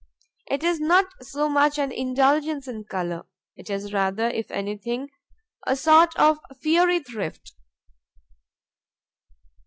It is not so much an indulgence in color; it is rather, if anything, a sort of fiery thrift.